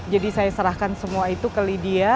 jadi saya serahkan semua itu ke lydia